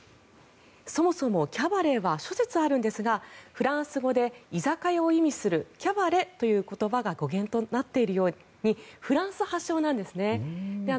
そもそもキャバレーは諸説あるんですがフランス語で居酒屋を意味するｃａｂａｒｅｔという言葉が語源となっているようにフランス発祥なんですね。